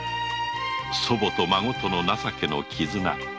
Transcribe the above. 祖母と孫情けの絆。